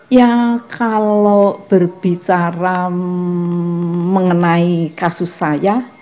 ya kalau berbicara mengenai kasus saya